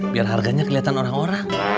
biar harganya kelihatan orang orang